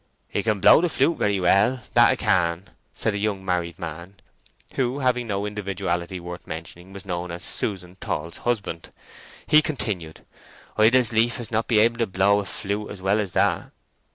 "He can blow the flute very well—that 'a can," said a young married man, who having no individuality worth mentioning was known as "Susan Tall's husband." He continued, "I'd as lief as not be able to blow into a flute as well as that."